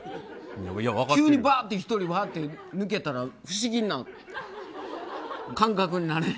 急に１人でワーって抜けたら不思議な感覚になれへん？